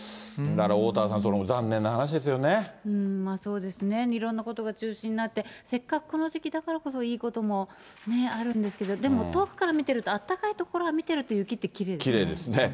だからおおたわさん、そうですね、いろんなことが中止になって、せっかくこの時期だからこそいいこともあるんですけど、でも、遠くから見てると、あったかい所から見る雪ってきれいですよね。